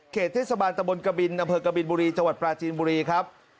เทศบาลตะบนกบินอำเภอกบินบุรีจังหวัดปราจีนบุรีครับ